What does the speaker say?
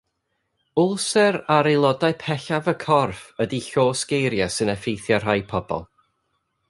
Wlser ar aelodau pellaf y corff ydy llosg eira sy'n effeithio rhai pobl.